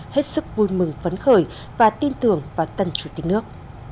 hết sức vui mừng phấn khởi và tin tưởng vào tân chủ tịch nước